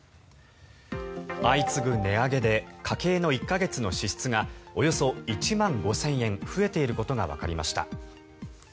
相次ぐ値上げで家計の１か月の支出がおよそ１万５０００円増えていることがわかりました。